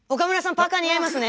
パーカ似合いますね！